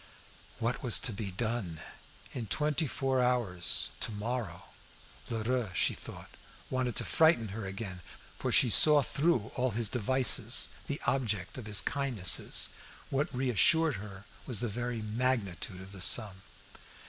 What was to be done? In twenty four hours tomorrow. Lheureux, she thought, wanted to frighten her again; for she saw through all his devices, the object of his kindnesses. What reassured her was the very magnitude of the sum.